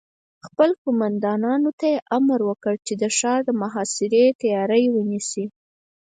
خپلو قوماندانانو ته يې امر وکړ چې د ښار د محاصرې تياری ونيسي.